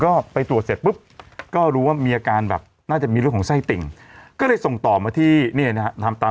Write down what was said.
ก็ไปตรวจเสร็จปุ๊บก็รู้ว่ามีอาการแบบน่าจะมีเรื่องของไส้ติ่งก็เลยส่งต่อมาที่เนี่ยนะฮะ